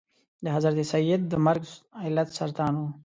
د حضرت سید د مرګ علت سرطان و.